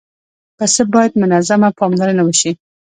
پسه باید منظمه پاملرنه وشي.